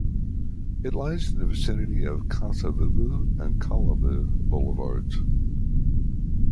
It lies in the vicinity of the Kasa-Vubu and Kalamu boulevards.